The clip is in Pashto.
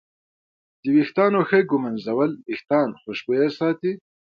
د ویښتانو ښه ږمنځول وېښتان خوشبویه ساتي.